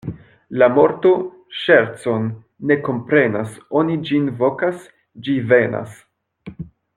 La morto ŝercon ne komprenas: oni ĝin vokas, ĝi venas.